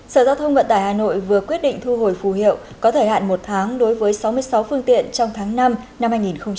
sở giao thông vận tải hà nội vừa quyết định thu hồi phù hiệu có thời hạn một tháng đối với sáu mươi sáu phương tiện trong tháng năm năm hai nghìn hai mươi